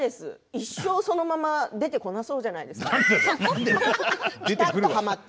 一生そのまま出てこなさそうじゃないですかはまって。